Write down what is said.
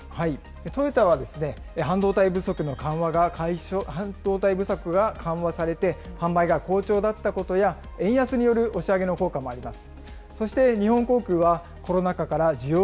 トヨタは、半導体不足が緩和されて、販売が好調だったことや、円安による押し上げの効果もあります。